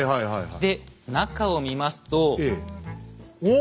で中を見ますと。